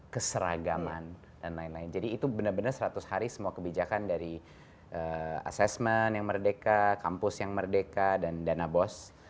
keseragaman dan lain lain jadi itu benar benar seratus hari semua kebijakan dari asesmen yang merdeka kampus yang merdeka dan dana bos